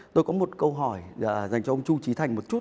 tôi có một câu hỏi dành cho ông chu trí thành một chút